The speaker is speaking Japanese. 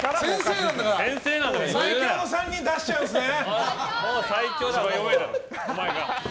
最強の３人出しちゃうんですね。